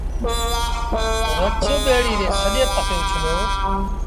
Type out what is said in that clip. رڇ ٻيڙيٚ ري سڄي پآسي اُڇلو